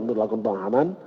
untuk lakukan penahanan